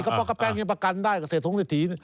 เขาบอกก็แปลงให้ประกันได้เสร็จทุกสิทธิ